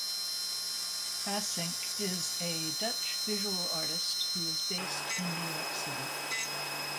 Hassink is a Dutch visual artist who is based in New York City.